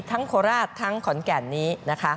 ทั้งโคราชทั้งขอนแก่นนี้